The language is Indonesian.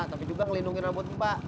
tapi juga ngelindungi rambut mbak